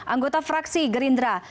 anggota fraksi gerindra